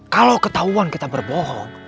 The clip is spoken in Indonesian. kalo ketahuan kita berbohong